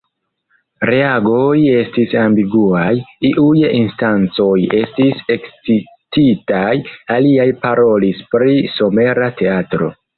Reagoj estis ambiguaj; iuj instancoj estis ekscititaj, aliaj parolis pri somera teatro.